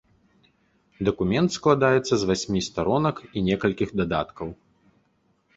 Дакумент складаецца з васьмі старонак і некалькіх дадаткаў.